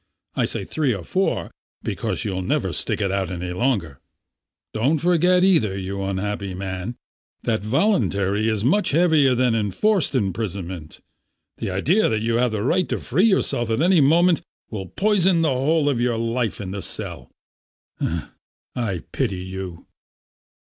I say three or four, because you'll never stick it out any longer. Don't forget either, you unhappy man, that voluntary is much heavier than enforced imprisonment. The idea that you have the right to free yourself at any moment will poison the whole of your life in the cell. I pity you."